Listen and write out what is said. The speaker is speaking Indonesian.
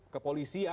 ke polisi ya